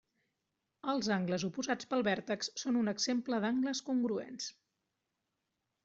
Els angles oposats pel vèrtex són un exemple d'angles congruents.